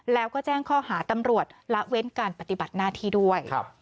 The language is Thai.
แล้วก็แจ้งข้อหาตำรวจละเว้นการปฏิบัติหน้าที่ด้วย